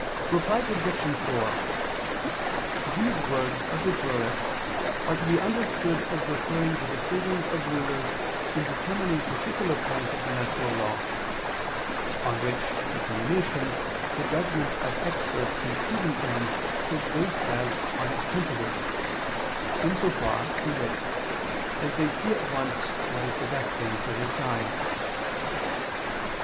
Reply Obj. 4: These words of the Jurist are to be understood as referring to decisions of rulers in determining particular points of the natural law: on which determinations the judgment of expert and prudent men is based as on its principles; in so far, to wit, as they see at once what is the best thing to decide.